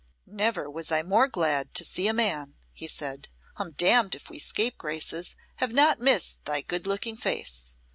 "Never was I more glad to see a man," he said. "I'm damned if we scapegraces have not missed thy good looking face.